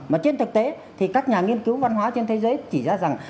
mà trên thực tế thì các nhà nghiên cứu văn hóa trên thế giới chỉ ra rằng